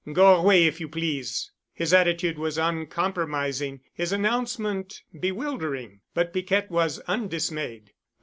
Go away if you please." His attitude was uncompromising, his announcement bewildering, but Piquette was undismayed.